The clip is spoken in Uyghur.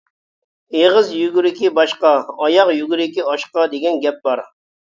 «ئېغىز يۈگۈرۈكى باشقا، ئاياغ يۈگۈرۈكى ئاشقا» دېگەن گەپ بار.